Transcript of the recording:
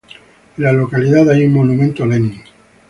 En la localidad hay un monumento a Lenin.